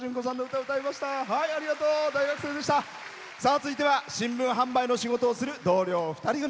続いては新聞販売の仕事をする同僚２人組。